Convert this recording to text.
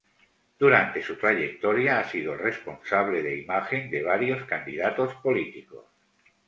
Durante su trayectoria ha sido el responsable de imagen de varios candidatos políticos.